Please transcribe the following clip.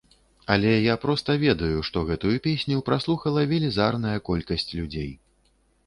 Але я проста ведаю, што гэтую песню праслухала велізарная колькасць людзей.